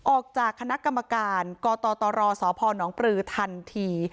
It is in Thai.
ออกจากคณะกรรมการก่อต่อต่อรอสนปลือทันที